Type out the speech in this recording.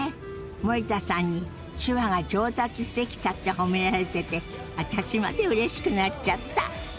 森田さんに手話が上達してきたって褒められてて私までうれしくなっちゃった！